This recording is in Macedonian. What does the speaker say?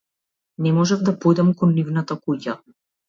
Не можев да појдам кон нивната куќа.